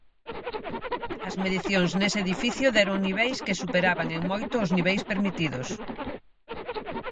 As medicións nese edificio deron niveis que superaban en moito os niveis permitidos.